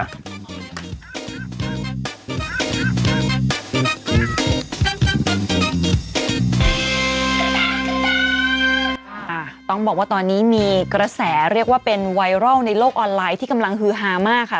อ่าต้องบอกว่าตอนนี้มีกระแสเรียกว่าเป็นไวรัลในโลกออนไลน์ที่กำลังฮือฮามากค่ะ